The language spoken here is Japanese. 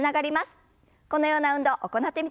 このような運動行ってみてください。